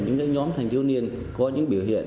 những nhóm thanh thiếu niên có những biểu hiện